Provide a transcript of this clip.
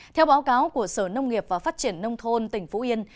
theo báo cáo của sở nông nghiệp và phát triển nông thôn tỉnh phú yên